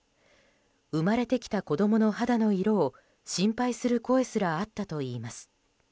生まれてきた子供の肌の色を心配する声すらあったといいます。